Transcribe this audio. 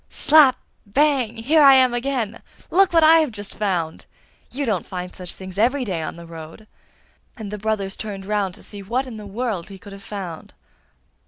'Slap! bang! here I am again! Look what I have just found! You don't find such things every day on the road!' And the brothers turned round to see what in the world he could have found.